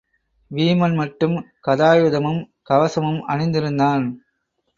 வீமன் மட்டும் கதாயுதமும் கவசமும் அணிந்திருந்தான்.